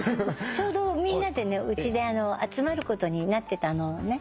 ちょうどみんなでうちで集まることになってたのね。